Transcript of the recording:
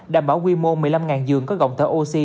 đảm bảo quy mô một mươi năm dường có gọng tờ oxy